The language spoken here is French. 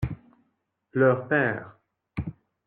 Leur père.